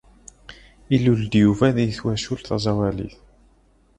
Ilul-d Yuba deg twacult taẓawalit.